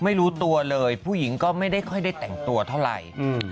ไม่รู้ตัวเลยผู้หญิงก็ไม่ได้ค่อยได้แต่งตัวเท่าไหร่